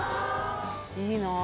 いいなぁ！